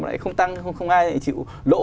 lại không tăng không ai chịu lỗ